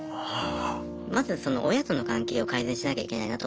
まずその親との関係を改善しなきゃいけないなと。